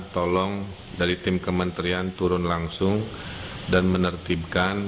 tolong dari tim kementerian turun langsung dan menertibkan